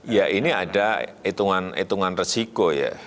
ya ini ada hitungan hitungan resiko ya